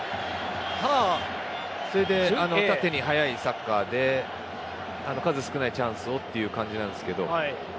それで縦に速いサッカーで数少ないチャンスをという感じなんですけど。